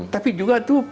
tapi juga itu